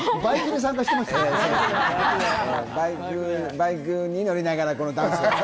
バイクに乗りながらダンスを。